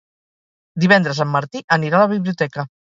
Divendres en Martí anirà a la biblioteca.